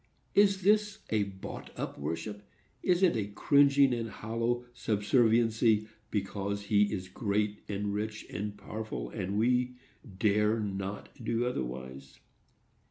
Is this a bought up worship?—is it a cringing and hollow subserviency, because he is great and rich and powerful, and we dare not do otherwise?